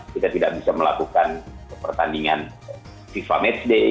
kita tidak bisa melakukan pertandingan fifa match day